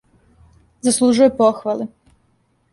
Заслужује похвале.